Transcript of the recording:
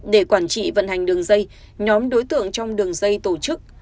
để quản trị vận hành đường dây nhóm đối tượng trong đường dây tổ chức